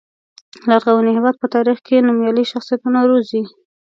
لرغوني هېواد په تاریخ کې نومیالي شخصیتونه روزلي.